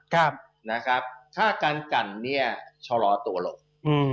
ค่าการกันชะล้อตัวลง